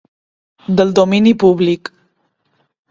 Del domini públic.